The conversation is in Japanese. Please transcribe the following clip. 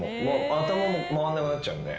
頭も回んなくなっちゃうんで。